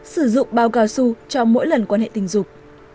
sử dụng bao cao su cho mỗi lần quan hệ tình dục